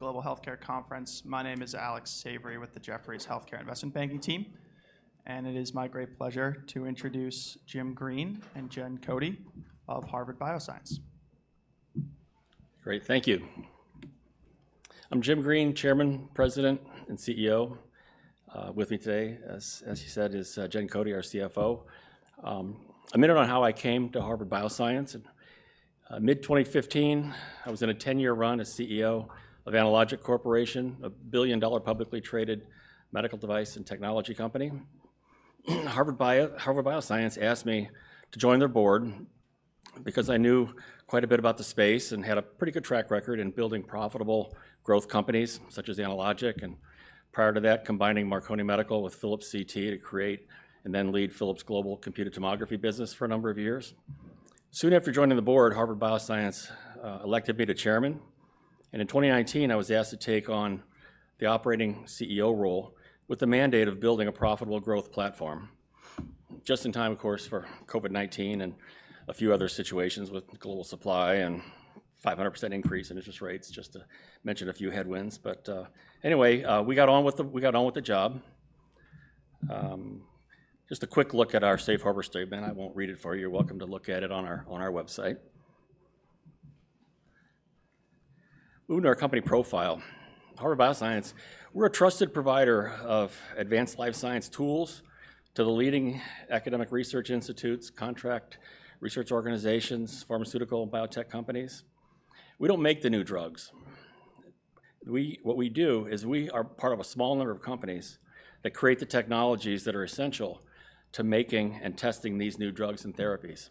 Global Healthcare Conference. My name is Alec Savory with the Jefferies Healthcare Investment Banking team, and it is my great pleasure to introduce Jim Green and Jen Cote of Harvard Bioscience. Great, thank you. I'm Jim Green, Chairman, President, and CEO. With me today, as you said, is Jen Cote, our CFO. A minute on how I came to Harvard Bioscience. In mid-2015, I was in a 10-year run as CEO of Analogic Corporation, a billion-dollar publicly traded medical device and technology company. Harvard Bioscience asked me to join their board because I knew quite a bit about the space and had a pretty good track record in building profitable growth companies, such as Analogic, and prior to that, combining Marconi Medical with Philips CT to create and then lead Philips global computed tomography business for a number of years. Soon after joining the board, Harvard Bioscience elected me to Chairman, and in 2019, I was asked to take on the operating CEO role with the mandate of building a profitable growth platform. Just in time, of course, for COVID-19 and a few other situations with global supply and 500% increase in interest rates, just to mention a few headwinds, but anyway, we got on with the job. Just a quick look at our Safe Harbor statement. I won't read it for you. You're welcome to look at it on our website. Moving to our company profile, Harvard Bioscience, we're a trusted provider of advanced life science tools to the leading academic research institutes, contract research organizations, pharmaceutical biotech companies. We don't make the new drugs. We, what we do is we are part of a small number of companies that create the technologies that are essential to making and testing these new drugs and therapies.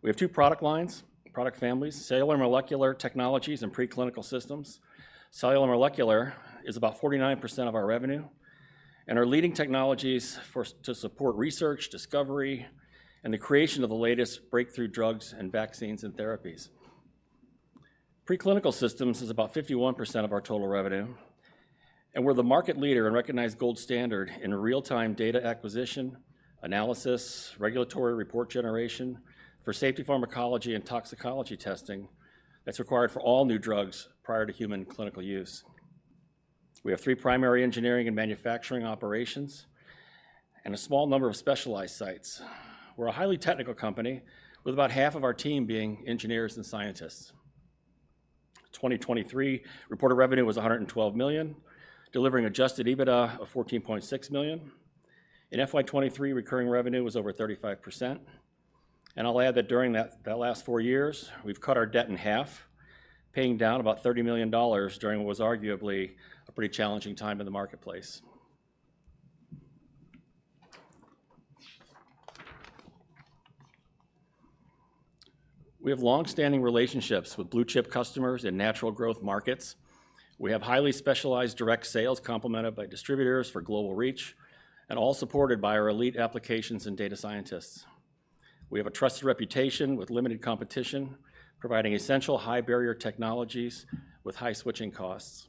We have two product lines, product families: cellular and molecular technologies and preclinical systems. Cellular and Molecular is about 49% of our revenue, and our leading technologies to support research, discovery, and the creation of the latest breakthrough drugs and vaccines and therapies. Preclinical systems is about 51% of our total revenue, and we're the market leader and recognized gold standard in real-time data acquisition, analysis, regulatory report generation for safety pharmacology and toxicology testing that's required for all new drugs prior to human clinical use. We have three primary engineering and manufacturing operations and a small number of specialized sites. We're a highly technical company, with about half of our team being engineers and scientists. 2023 reported revenue was $112 million, delivering Adjusted EBITDA of $14.6 million. In FY 2023, recurring revenue was over 35%, and I'll add that during that last four years, we've cut our debt in half, paying down about $30 million during what was arguably a pretty challenging time in the marketplace. We have long-standing relationships with blue-chip customers in natural growth markets. We have highly specialized direct sales complemented by distributors for global reach, and all supported by our elite applications and data scientists. We have a trusted reputation with limited competition, providing essential high-barrier technologies with high switching costs.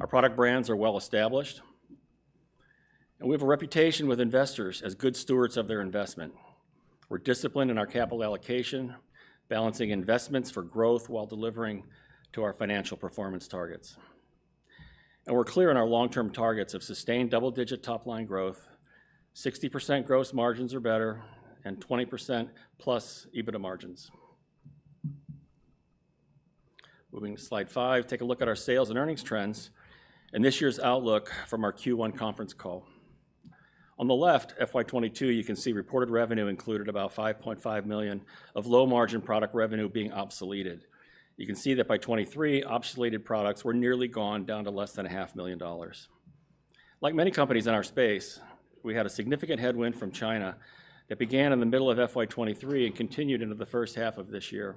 Our product brands are well established, and we have a reputation with investors as good stewards of their investment. We're disciplined in our capital allocation, balancing investments for growth while delivering to our financial performance targets, and we're clear on our long-term targets of sustained double-digit top-line growth, 60% gross margins or better, and 20%+ EBITDA margins. Moving to Slide 5, take a look at our sales and earnings trends and this year's outlook from our Q1 conference call. On the left, FY 2022, you can see reported revenue included about $5.5 million of low-margin product revenue being obsoleted. You can see that by 2023, obsoleted products were nearly gone, down to less than $500,000. Like many companies in our space, we had a significant headwind from China that began in the middle of FY 2023 and continued into the first half of this year.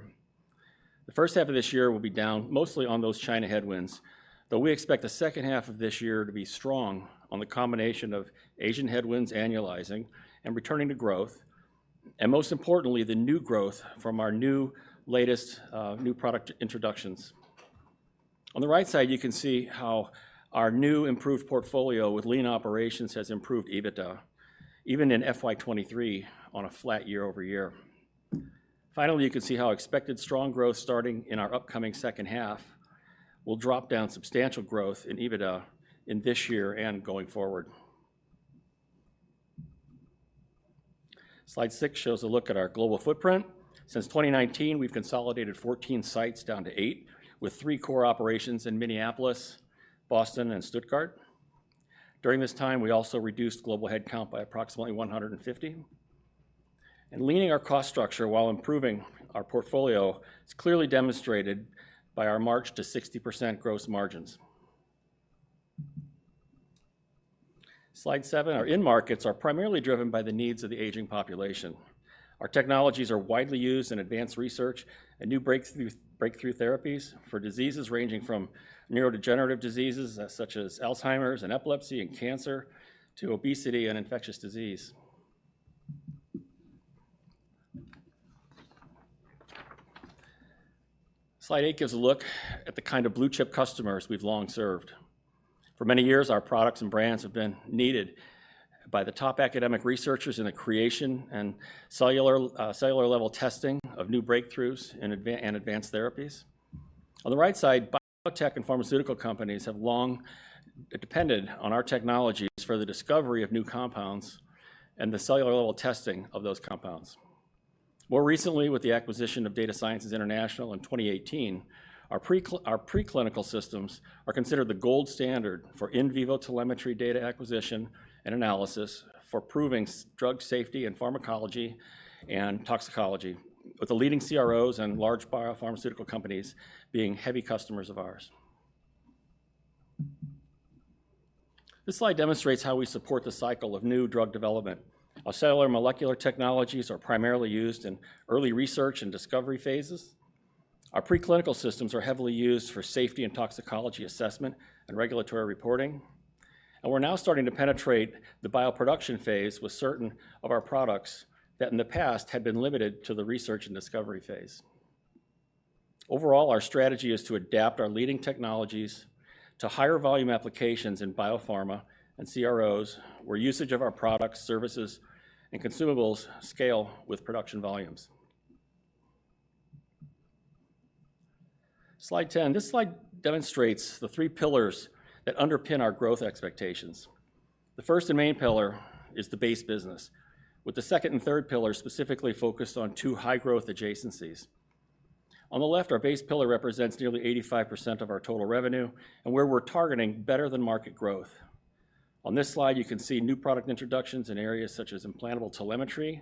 The first half of this year will be down mostly on those China headwinds, but we expect the second half of this year to be strong on the combination of Asian headwinds annualizing and returning to growth, and most importantly, the new growth from our new latest, new product introductions. On the right side, you can see how our new improved portfolio with lean operations has improved EBITDA, even in FY 2023 on a flat year-over-year. Finally, you can see how expected strong growth starting in our upcoming second half will drop down substantial growth in EBITDA in this year and going forward. Slide 6 shows a look at our global footprint. Since 2019, we've consolidated 14 sites down to eight, with three core operations in Minneapolis, Boston, and Stuttgart. During this time, we also reduced global headcount by approximately 150. Leaning our cost structure while improving our portfolio is clearly demonstrated by our march to 60% gross margins. Slide 7, our end markets are primarily driven by the needs of the aging population. Our technologies are widely used in advanced research and new breakthrough therapies for diseases ranging from neurodegenerative diseases, such as Alzheimer's and epilepsy and cancer, to obesity and infectious disease. Slide 8 gives a look at the kind of blue-chip customers we've long served. For many years, our products and brands have been needed by the top academic researchers in the creation and cellular level testing of new breakthroughs and advanced therapies. On the right side, biotech and pharmaceutical companies have long depended on our technologies for the discovery of new compounds and the cellular level testing of those compounds. More recently, with the acquisition of Data Sciences International in 2018, our preclinical systems are considered the gold standard for in vivo telemetry data acquisition and analysis, for proving drug safety and pharmacology and toxicology, with the leading CROs and large biopharmaceutical companies being heavy customers of ours. This slide demonstrates how we support the cycle of new drug development. Our cellular molecular technologies are primarily used in early research and discovery phases. Our preclinical systems are heavily used for safety and toxicology assessment and regulatory reporting, and we're now starting to penetrate the bioproduction phase with certain of our products, that in the past had been limited to the research and discovery phase. Overall, our strategy is to adapt our leading technologies to higher volume applications in biopharma and CROs, where usage of our products, services, and consumables scale with production volumes. Slide 10. This slide demonstrates the three pillars that underpin our growth expectations. The first and main pillar is the base business, with the second and third pillar specifically focused on two high-growth adjacencies. On the left, our base pillar represents nearly 85% of our total revenue, and where we're targeting better-than-market growth. On this slide, you can see new product introductions in areas such as implantable telemetry,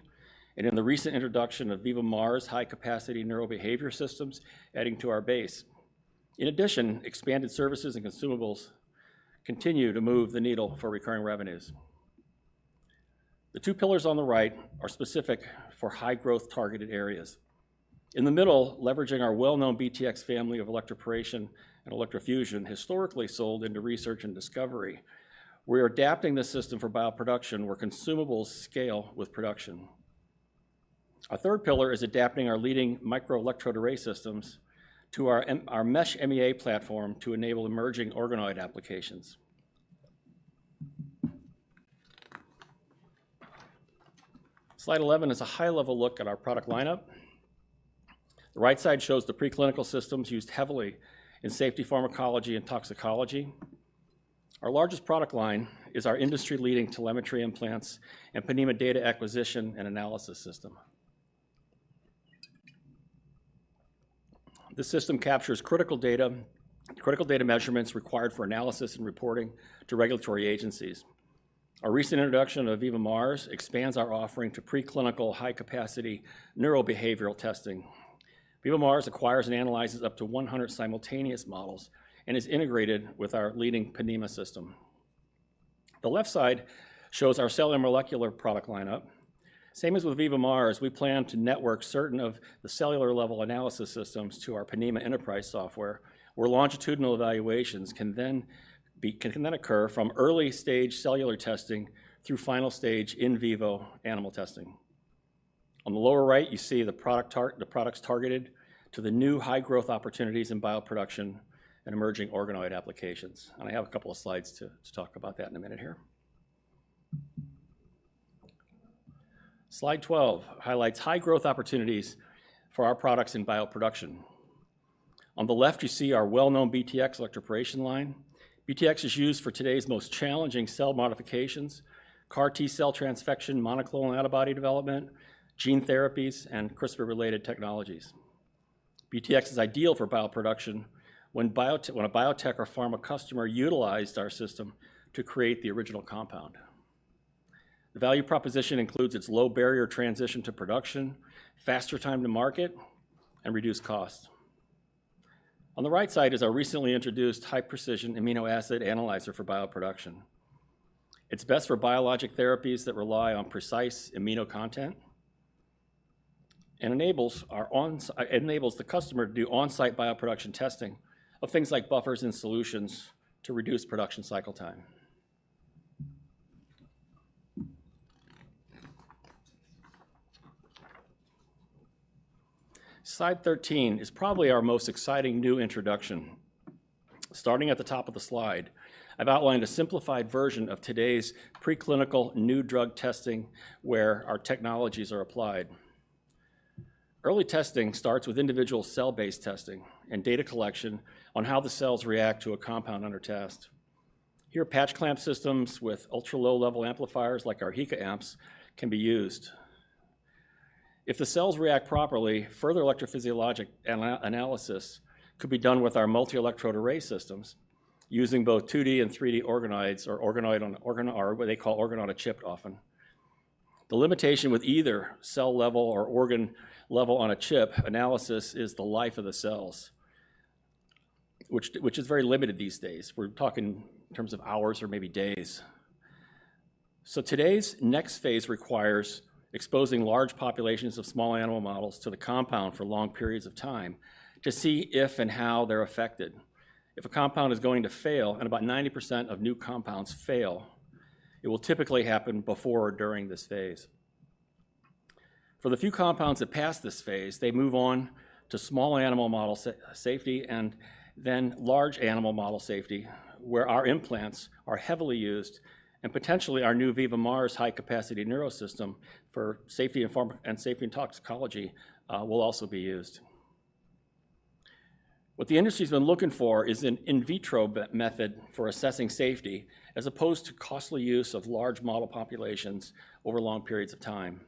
and in the recent introduction of VivaMARS high-capacity neurobehavior systems, adding to our base. In addition, expanded services and consumables continue to move the needle for recurring revenues. The two pillars on the right are specific for high-growth targeted areas. In the middle, leveraging our well-known BTX family of electroporation and electrofusion, historically sold into research and discovery, we are adapting the system for bioproduction, where consumables scale with production. Our third pillar is adapting our leading microelectrode array systems to our mesh MEA platform to enable emerging organoid applications. Slide 11 is a high-level look at our product lineup. The right side shows the preclinical systems used heavily in safety pharmacology and toxicology. Our largest product line is our industry-leading telemetry implants and Ponemah data acquisition and analysis system. The system captures critical data, critical data measurements required for analysis and reporting to regulatory agencies. Our recent introduction of VivaMARS expands our offering to preclinical high-capacity neurobehavioral testing. VivaMARS acquires and analyzes up to 100 simultaneous models and is integrated with our leading Ponemah system. The left side shows our cellular molecular product lineup. Same as with VivaMARS, we plan to network certain of the cellular-level analysis systems to our Ponemah Enterprise software, where longitudinal evaluations can then occur from early-stage cellular testing through final-stage in vivo animal testing. On the lower right, you see the products targeted to the new high-growth opportunities in bioproduction and emerging organoid applications, and I have a couple of slides to talk about that in a minute here. Slide 12 highlights high-growth opportunities for our products in bioproduction. On the left, you see our well-known BTX electroporation line. BTX is used for today's most challenging cell modifications, CAR T-cell transfection, monoclonal antibody development, gene therapies, and CRISPR-related technologies. BTX is ideal for bioproduction when a biotech or pharma customer utilized our system to create the original compound. The value proposition includes its low barrier transition to production, faster time to market, and reduced costs. On the right side is our recently introduced high-precision amino acid analyzer for bioproduction. It's best for biologic therapies that rely on precise amino content and it enables the customer to do on-site bioproduction testing of things like buffers and solutions to reduce production cycle time. Slide 13 is probably our most exciting new introduction. Starting at the top of the slide, I've outlined a simplified version of today's preclinical new drug testing, where our technologies are applied. Early testing starts with individual cell-based testing and data collection on how the cells react to a compound under test. Here, patch clamp systems with ultra-low-level amplifiers, like our HEKA amps, can be used. If the cells react properly, further electrophysiological analysis could be done with our microelectrode array systems, using both 2D and 3D organoids or organ-on-a-chip often. The limitation with either cell-level or organ-level on-a-chip analysis is the life of the cells, which is very limited these days. We're talking in terms of hours or maybe days. So today's next phase requires exposing large populations of small animal models to the compound for long periods of time to see if and how they're affected. If a compound is going to fail, and about 90% of new compounds fail, it will typically happen before or during this phase. For the few compounds that pass this phase, they move on to small animal model safety, and then large animal model safety, where our implants are heavily used, and potentially our new VivaMARS high-capacity neurosystem for safety and pharma, and safety and toxicology, will also be used. What the industry's been looking for is an in vitro method for assessing safety, as opposed to costly use of large model populations over long periods of time.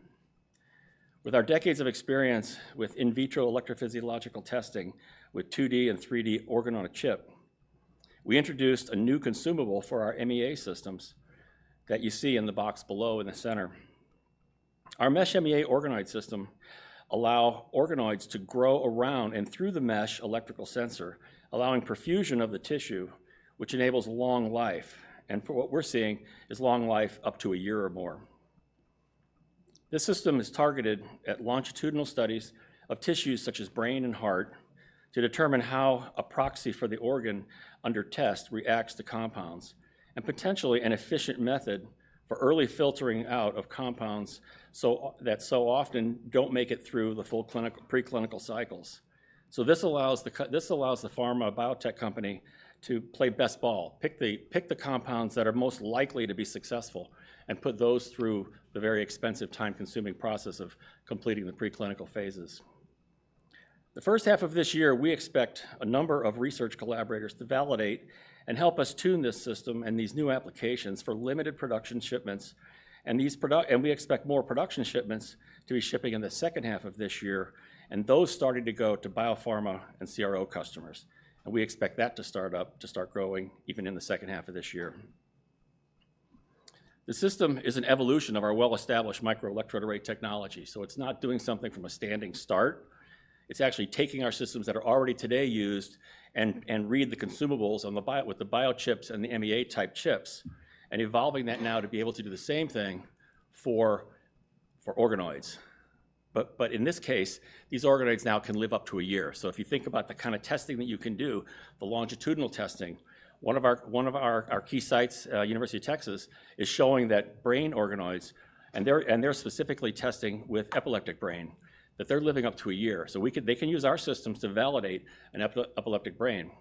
With our decades of experience with in vitro electrophysiological testing, with 2D and 3D organ-on-a-chip, we introduced a new consumable for our MEA systems that you see in the box below in the center. Our Mesh MEA organoid system allow organoids to grow around and through the mesh electrical sensor, allowing perfusion of the tissue, which enables long life, and for what we're seeing, is long life up to a year or more. This system is targeted at longitudinal studies of tissues such as brain and heart, to determine how a proxy for the organ under test reacts to compounds, and potentially an efficient method for early filtering out of compounds that so often don't make it through the full preclinical cycles. So this allows the pharma biotech company to play best ball, pick the, pick the compounds that are most likely to be successful, and put those through the very expensive, time-consuming process of completing the preclinical phases. The first half of this year, we expect a number of research collaborators to validate and help us tune this system and these new applications for limited production shipments, and we expect more production shipments to be shipping in the second half of this year, and those starting to go to biopharma and CRO customers, and we expect that to start up, to start growing, even in the second half of this year. The system is an evolution of our well-established microelectrode array technology, so it's not doing something from a standing start. It's actually taking our systems that are already today used and read the consumables on the biochips and the MEA-type chips, and evolving that now to be able to do the same thing for organoids. But in this case, these organoids now can live up to a year. So if you think about the kind of testing that you can do, the longitudinal testing, one of our key sites, University of Texas, is showing that brain organoids, and they're specifically testing with epileptic brain, that they're living up to a year. So they can use our systems to validate an epileptic brain.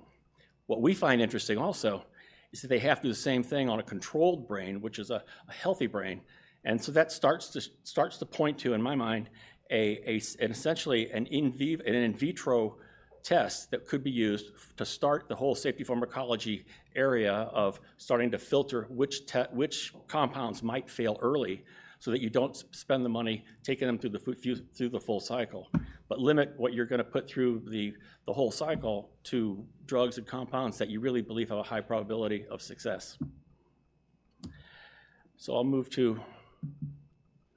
What we find interesting also is that they have to do the same thing on a controlled brain, which is a healthy brain, and so that starts to point to, in my mind, essentially an in vivo, an in vitro test that could be used to start the whole safety pharmacology area of starting to filter which compounds might fail early, so that you don't spend the money taking them through the full cycle, but limit what you're gonna put through the whole cycle to drugs and compounds that you really believe have a high probability of success. So I'll move to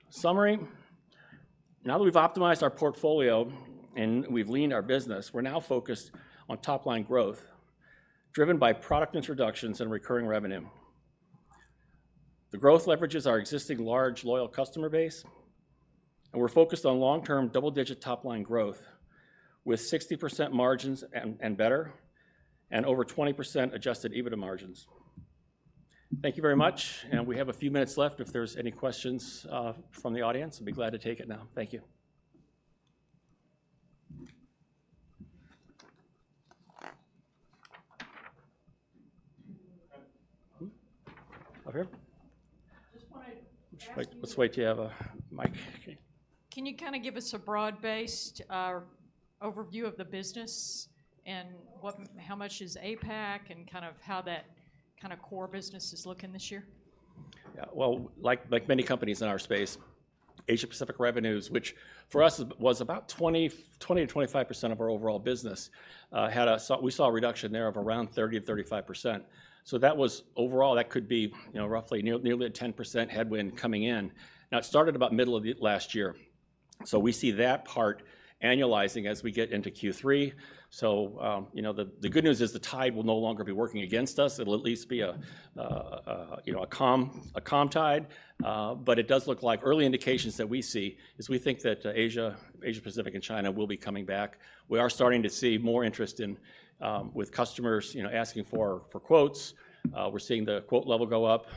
summary. Now that we've optimized our portfolio and we've leaned our business, we're now focused on top-line growth, driven by product introductions and recurring revenue. The growth leverages our existing large, loyal customer base, and we're focused on long-term, double-digit top-line growth with 60% margins and better, and over 20% Adjusted EBITDA margins. Thank you very much, and we have a few minutes left. If there's any questions from the audience, I'd be glad to take it now. Thank you. Up here? Just wanna ask you- Let's wait till you have a mic. Okay. Can you kinda give us a broad-based overview of the business, and what, how much is APAC, and kind of how that kinda core business is looking this year? Yeah. Well, like many companies in our space, Asia-Pacific revenues, which for us was about 20%-25% of our overall business, had a reduction there of around 30%-35%. So that was, overall, that could be, you know, roughly nearly a 10% headwind coming in. Now, it started about middle of last year, so we see that part annualizing as we get into Q3. So, you know, the good news is the tide will no longer be working against us. It'll at least be a calm tide. But it does look like early indications that we see is we think that Asia-Pacific and China will be coming back. We are starting to see more interest in with customers, you know, asking for, for quotes. We're seeing the quote level go up.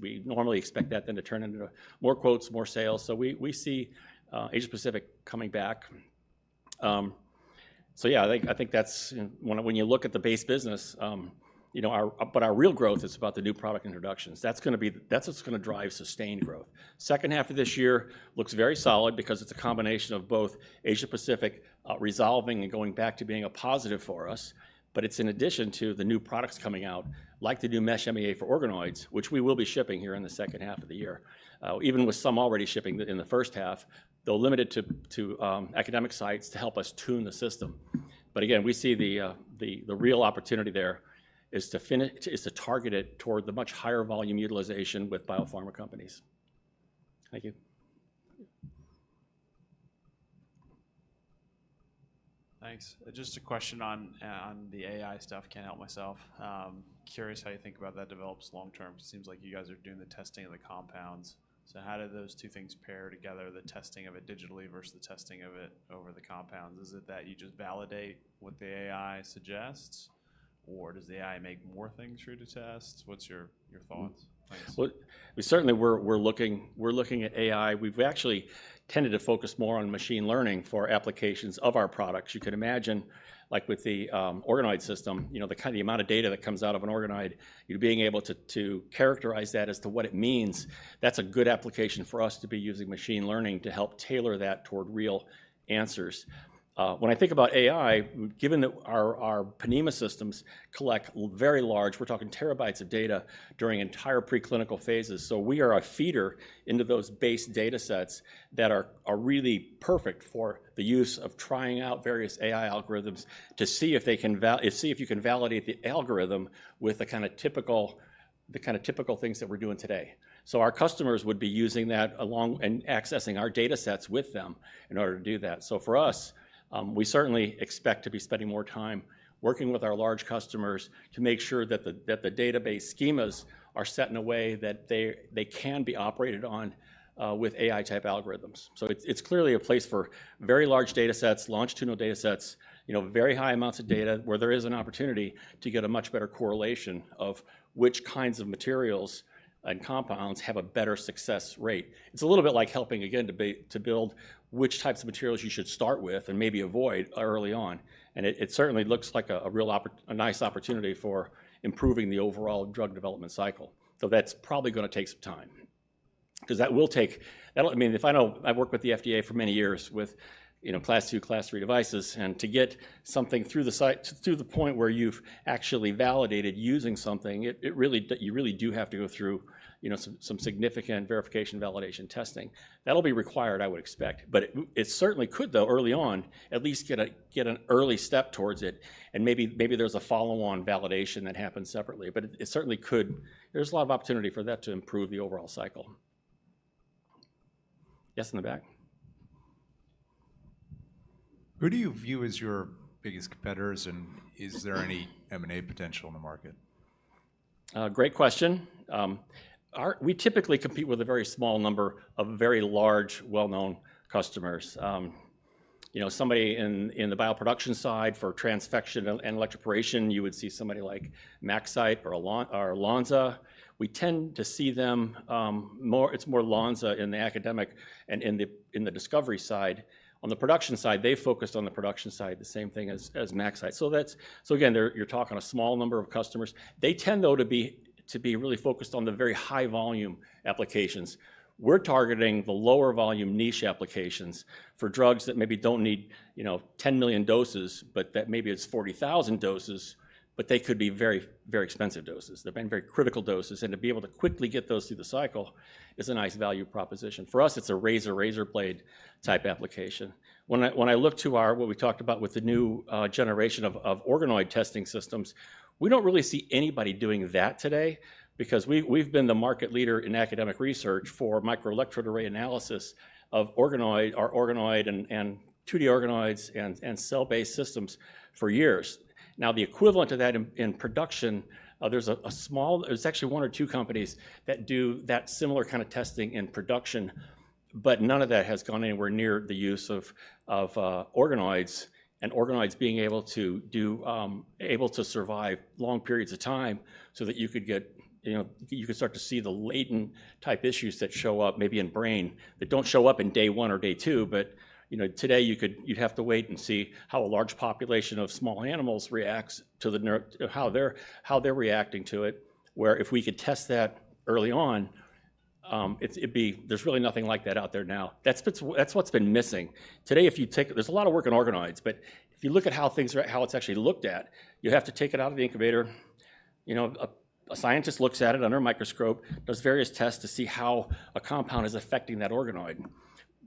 We normally expect that then to turn into more quotes, more sales, so we see Asia-Pacific coming back. So yeah, I think, I think that's, when you look at the base business, you know, our, but our real growth is about the new product introductions. That's gonna be, that's what's gonna drive sustained growth. Second half of this year looks very solid because it's a combination of both Asia-Pacific resolving and going back to being a positive for us, but it's in addition to the new products coming out, like the new Mesh MEA for organoids, which we will be shipping here in the second half of the year. Even with some already shipping it in the first half, though limited to academic sites to help us tune the system. But again, we see the real opportunity there is to target it toward the much higher volume utilization with biopharma companies. Thank you. Thanks. Just a question on the AI stuff. Can't help myself. Curious how you think about that develops long term. Seems like you guys are doing the testing of the compounds, so how do those two things pair together, the testing of it digitally versus the testing of it over the compounds? Is it that you just validate what the AI suggests?r does the AI make more things through to tests? What's your thoughts? Thanks. Well, we certainly are looking at AI. We've actually tended to focus more on machine learning for applications of our products. You can imagine, like with the organoid system, you know, the kind, the amount of data that comes out of an organoid, you being able to characterize that as to what it means, that's a good application for us to be using machine learning to help tailor that toward real answers. When I think about AI, given that our Ponemah systems collect very large, we're talking terabytes of data, during entire preclinical phases, so we are a feeder into those base data sets that are really perfect for the use of trying out various AI algorithms to see if you can validate the algorithm with the kinda typical things that we're doing today. So our customers would be using that along, and accessing our data sets with them in order to do that. So for us, we certainly expect to be spending more time working with our large customers to make sure that the database schemas are set in a way that they can be operated on with AI-type algorithms. So it's clearly a place for very large datasets, longitudinal datasets, you know, very high amounts of data, where there is an opportunity to get a much better correlation of which kinds of materials and compounds have a better success rate. It's a little bit like helping again to build which types of materials you should start with and maybe avoid early on, and it certainly looks like a nice opportunity for improving the overall drug development cycle. So that's probably gonna take some time. 'Cause that will take, I mean, I know, I've worked with the FDA for many years with, you know, Class II, Class III devices, and to get something through the site, to the point where you've actually validated using something, it really, you really do have to go through, you know, some significant verification, validation testing. That'll be required, I would expect, but it certainly could though, early on, at least get an early step towards it, and maybe there's a follow-on validation that happens separately. But it certainly could, there's a lot of opportunity for that to improve the overall cycle. Yes, in the back? Who do you view as your biggest competitors, and is there any M&A potential in the market? Great question. We typically compete with a very small number of very large, well-known customers. You know, somebody in the bioproduction side for transfection and electroporation, you would see somebody like MaxCyte or Lonza. We tend to see them more. It's more Lonza in the academic and in the discovery side. On the production side, they focused on the production side, the same thing as MaxCyte. So that's. So again, there, you're talking a small number of customers. They tend, though, to be really focused on the very high volume applications. We're targeting the lower volume niche applications for drugs that maybe don't need, you know, 10 million doses, but that maybe it's 40,000 doses, but they could be very, very expensive doses. They've been very critical doses, and to be able to quickly get those through the cycle is a nice value proposition. For us, it's a razor, razor blade type application. When I look to our, what we talked about with the new generation of organoid testing systems, we don't really see anybody doing that today because we, we've been the market leader in academic research for microelectrode array analysis of organoid, our organoid and 2D organoids and cell-based systems for years. Now, the equivalent to that in production, there's actually one or two companies that do that similar kind of testing in production, but none of that has gone anywhere near the use of organoids and organoids being able to survive long periods of time so that you could get, you know, you could start to see the latent type issues that show up, maybe in brain, that don't show up in day one or day two, but, you know, today you could, you'd have to wait and see how a large population of small animals reacts to the neuro how they're reacting to it. Where if we could test that early on, it'd be, there's really nothing like that out there now. That's what's been missing. Today, if you take, there's a lot of work in organoids, but if you look at how things are, how it's actually looked at, you have to take it out of the incubator. You know, a scientist looks at it under a microscope, does various tests to see how a compound is affecting that organoid.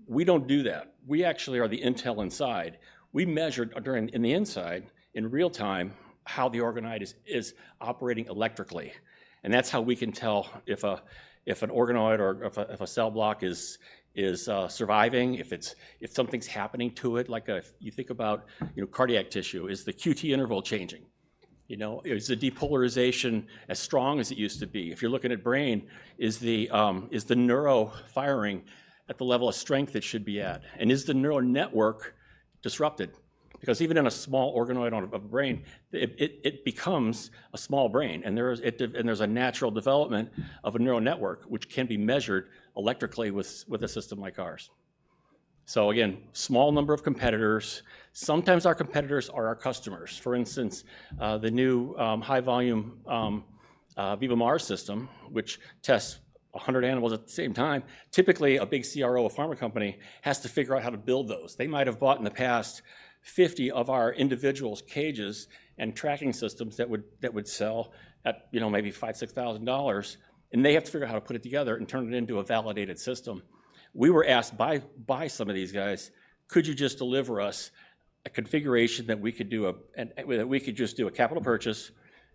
We don't do that. We actually are the intel inside. We measure during, in the inside, in real time, how the organoid is operating electrically, and that's how we can tell if an organoid or if a cell block is surviving, if it's- if something's happening to it. Like, you think about, you know, cardiac tissue. Is the QT interval changing? You know, is the depolarization as strong as it used to be? If you're looking at brain, is the neural firing at the level of strength it should be at? And is the neural network disrupted? Because even in a small organoid on a brain, it becomes a small brain, and there is, and there's a natural development of a neural network, which can be measured electrically with a system like ours. So again, small number of competitors. Sometimes our competitors are our customers. For instance, the new high volume VivaMARS system, which tests 100 animals at the same time, typically, a big CRO or pharma company has to figure out how to build those. They might have bought, in the past, 50 of our individual cages and tracking systems that would sell at, you know, maybe $5,000-$6,000, and they have to figure out how to put it together and turn it into a validated system. We were asked by some of these guys, "Could you just deliver us a configuration where we could just do a capital purchase,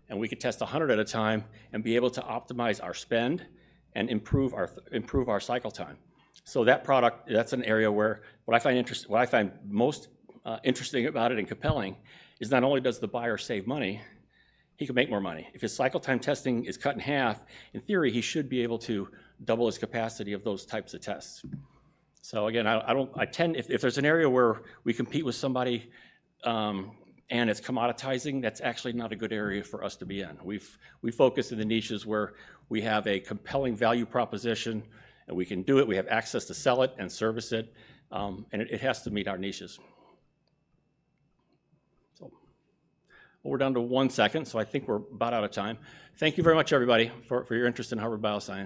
and we could test 100 at a time and be able to optimize our spend and improve our cycle time?" So that product, that's an area where what I find most interesting about it and compelling is not only does the buyer save money, he could make more money. If his cycle time testing is cut in half, in theory, he should be able to double his capacity of those types of tests. So again, I, I don't, I tend, if, if there's an area where we compete with somebody, and it's commoditizing, that's actually not a good area for us to be in. We've, we focus in the niches where we have a compelling value proposition, and we can do it, we have access to sell it and service it, and it, it has to meet our niches. So we're down to one second, so I think we're about out of time. Thank you very much, everybody, for, for your interest in Harvard Bioscience.